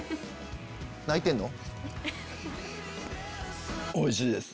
泣いてんの？